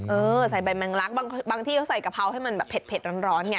เออใส่ใบแมงลักบางที่เขาใส่กะเพราให้มันแบบเผ็ดร้อนไง